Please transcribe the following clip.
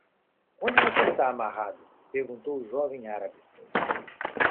"Onde você está amarrado?" perguntou o jovem árabe.